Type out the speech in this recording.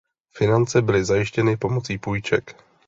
Finance byly zajištěny pomocí půjček.